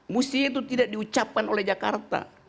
mestinya itu tidak diucapkan oleh jakarta